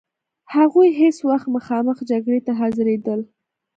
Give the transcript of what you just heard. هغوی هیڅ وخت مخامخ جګړې ته حاضرېدل.